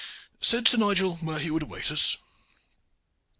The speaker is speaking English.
Said Sir Nigel where he would await us?"